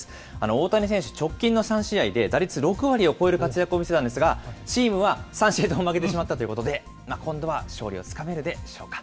大谷選手、直近の３試合で打率６割を超える活躍を見せたんですが、チームは３試合とも負けてしまったということで、今度は勝利をつかめるでしょうか。